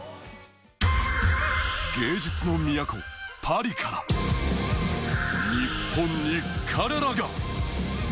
芸術の都・パリから日本に彼らが。